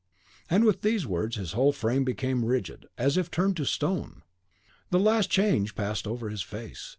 And with these words his whole frame became rigid, as if turned to stone. The last change passed over his face.